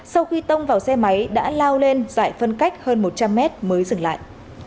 sau khi tông vào xe máy đã lao lên giải phân cách hơn một trăm linh mét mới dừng lại